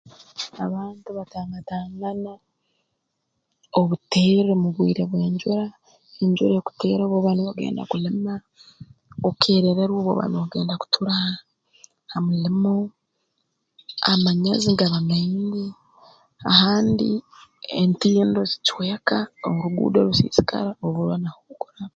Abantu batangatangana obuterre mu bwire bw'enjura enjura ekuteera obu oba noogenda kulima okerererwa obu oba noogenda kutura ha mulimo amanyazi ngaba maingi ahandi entindo zicweka oruguudo rusiisikara oburwa na h'okuraba